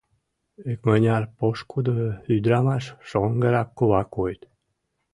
Икмыняр пошкудо ӱдырамаш, шоҥгырак кува койыт.